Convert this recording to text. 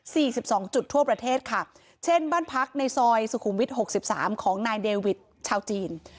สิบสองจุดทั่วประเทศค่ะเช่นบ้านพักในซอยสุขุมวิทยหกสิบสามของนายเดวิทชาวจีน